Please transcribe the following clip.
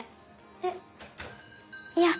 えっいや。